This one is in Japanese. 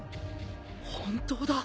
本当だ。